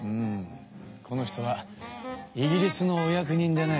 この人はイギリスのお役人でね。